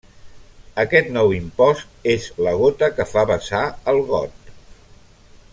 Aquest nou impost és la gota que fa vessar el got.